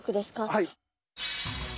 はい。